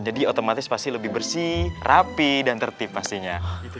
otomatis pasti lebih bersih rapi dan tertib pastinya